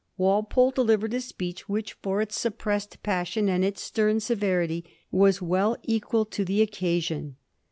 Walpole delivered a speech which, for its suppressed passion and its stem severity, was well equal to the occasion.